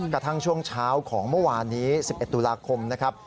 กระทั่งช่วงเช้าของเมื่อวานนี้๑๑ตุลาคมนะครับ